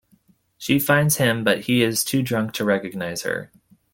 She finds him, but he is too drunk to recognize her.